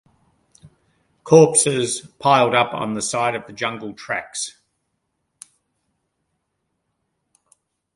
Corpses piled up on the side of the jungle tracks.